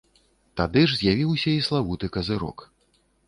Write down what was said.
Тады ж з'явіўся і славуты казырок.